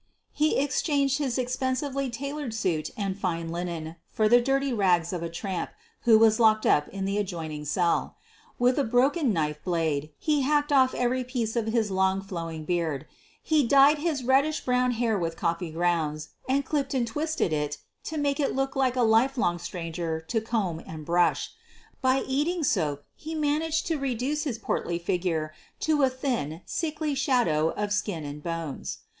He exchanged his expensively tailored suit and fine linen for the dirty rags of a tramp who was locked up in the adjoining cell. With a broken knife blade he hacked off every bit of his long flow ing beard. He dyed his reddish brown hair with coffee grounds and clipped and twisted it to make it look a life long stranger to comb and brush. By eating soap he managed to reduce his portly figure to a thin, sickly shadow of skin and bones.